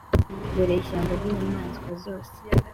dore ishyamba ry' inyamaswa zose